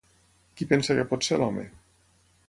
Qui pensa que pot ser l'home?